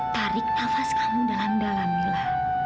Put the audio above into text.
tarik nafas kamu dalam dalam mila